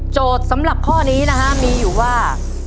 โจทย์สำหรับข้อนี้มีอยู่ว่า